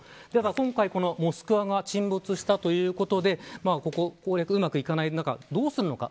今回、モスクワが沈没したということで攻略がうまくいかない中でどうするのか。